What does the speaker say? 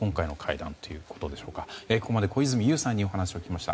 ここまで小泉悠さんにお話を聞きました。